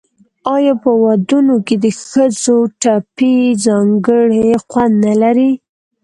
آیا په ودونو کې د ښځو ټپې ځانګړی خوند نلري؟